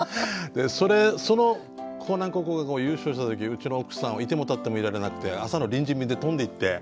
その興南高校が優勝した時うちの奥さんはいても立ってもいられなくて朝の臨時便で飛んでいって。